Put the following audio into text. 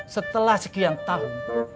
setelah sekian tahun